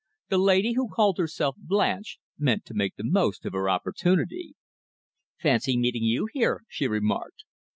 The lady who called herself Blanche meant to make the most of her opportunity. "Fancy meeting you here," she remarked.